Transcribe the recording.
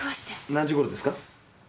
何時頃ですか？